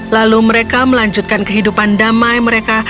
lalu mereka melanjutkan kehidupan damai mereka